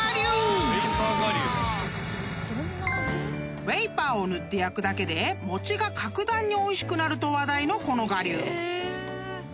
［味覇を塗って焼くだけで餅が各段においしくなると話題のこの我流］